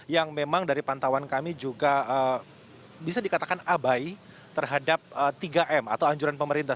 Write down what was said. yang memang dari pantauan kami juga bisa dikatakan abai terhadap tiga m atau anjuran pemerintah